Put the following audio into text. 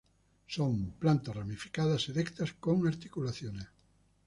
Son, plantas ramificadas erectas con articulaciones.